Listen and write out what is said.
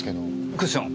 クッション？